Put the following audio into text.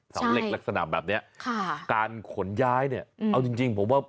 สำเร็จลักษณะแบบเนี้ยค่ะการขนย้ายเนี่ยเอาจริงจริงผมว่า